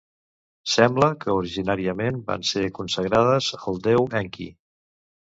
Sembla que originàriament van ser consagrades al déu Enki.